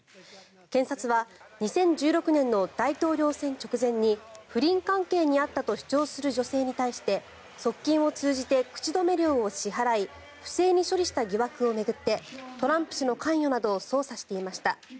検察は２０１６年の大統領選直前に不倫関係にあったと主張する女性に対して側近を通じて口止め料を支払い不正に処理した疑惑を巡ってトランプ氏の関与などを捜査していました。